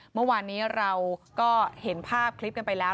เมื่อวานนี้เราก็เห็นภาพคลิปกันไปแล้ว